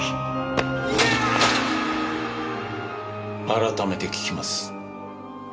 改めて聞きます。